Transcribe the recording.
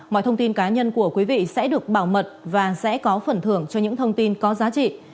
mọi thông tin cá nhân của quý vị sẽ được bảo mật và sẽ có phần thưởng cho những thông tin có giá trị